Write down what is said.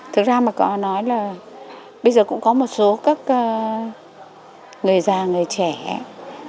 thực ra mà có nói là bây giờ cũng có một số các người già người trẻ